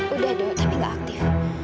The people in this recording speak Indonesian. udah do tapi nggak aktif